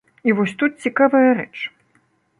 І вось тут цікавая рэч.